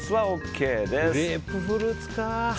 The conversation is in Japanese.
グレープフルーツか。